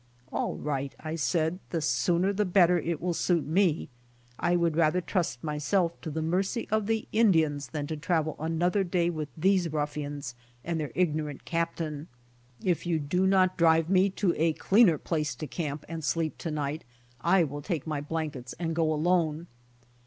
"All right," I said, "The sooner the better it will suit me. I would rather trust myself to the mercy of the Indians than to travel another day with these ruffians and their ignorant captain. If you do not drive me to a cleaner place to camp and sleep tonight I will take my blankets and go alone."